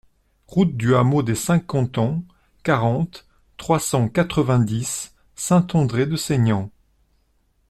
Route du Hameau des cinq Cantons, quarante, trois cent quatre-vingt-dix Saint-André-de-Seignanx